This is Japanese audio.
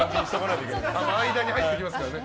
間に入ってきますからね。